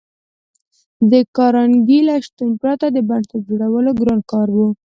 د کارنګي له شتون پرته د بنسټ جوړول ګران کار و